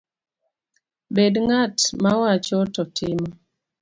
Bed ng’at mawacho to timo